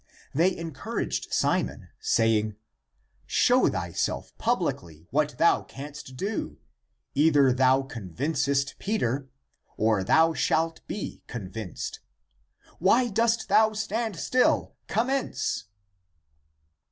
They encouraged Simon, saying, " Show thyself publicly what thou canst do: either thou convin cest (Peter) or thou shalt be convinced. Why dost thou stand still? Commence."